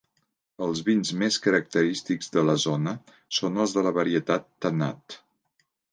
Els vins més característics de la zona són els de la varietat tannat.